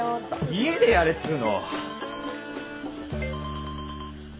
家でやれっつーの！